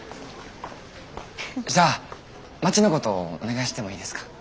じゃあまちのことお願いしてもいいですか？